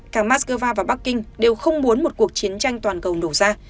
cả moscow và bắc kinh đều không muốn một cuộc chiến tranh toàn cầu nổ ra